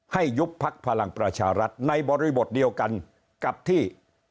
ยุบพักพลังประชารัฐในบริบทเดียวกันกับที่